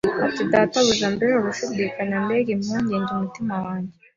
Ati Databuja mbega gushidikanya mbega impungenge umutima wanjye